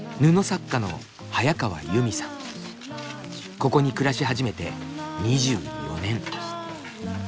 ここに暮らし始めて２４年。